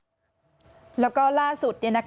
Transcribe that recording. ตรงนั้นก็จอดได้ตรงข้างปั๊ม